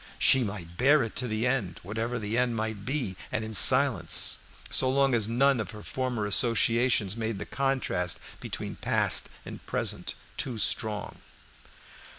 She might bear it to the end, whatever the end might be, and in silence, so long as none of her former associations made the contrast between past and present too strong.